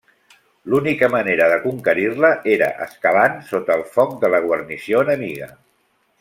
L'única manera de conquerir-la era escalant sota el foc de la guarnició enemiga.